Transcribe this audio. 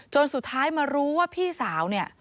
สุดท้ายมารู้ว่าพี่สาวเนี่ย